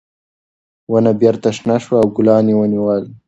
ونه بېرته شنه شوه او ګلان یې ونیول.